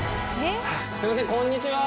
すいませんこんにちは。